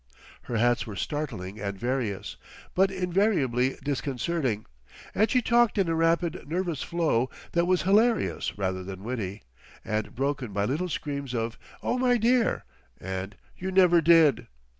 Her hats were startling and various, but invariably disconcerting, and she talked in a rapid, nervous flow that was hilarious rather than witty, and broken by little screams of "Oh, my dear!" and "you never did!"